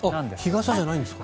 日傘じゃないんですか。